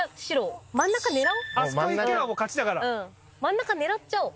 真ん中狙っちゃおう。